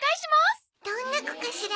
どんな子かしら。